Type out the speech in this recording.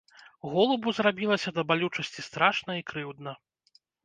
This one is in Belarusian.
Голубу зрабілася да балючасці страшна і крыўдна.